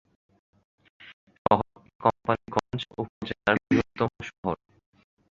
শহরটি কোম্পানীগঞ্জ উপজেলার বৃহত্তম শহর।